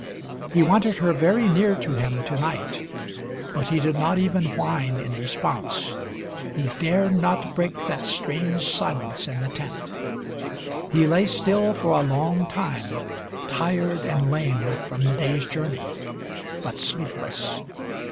He wanted her very near to him to night, but he did not even whine in response. He dared not break that strange silence in the tent. He lay still for a long time, tired and lame from the day's journey, but sleepless.